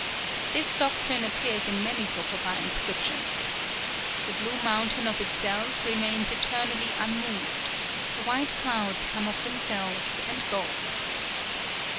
This doctrine appears in many sotoba inscriptions: "_The Blue Mountain of itself remains eternally unmoved: the White Clouds come of themselves and go.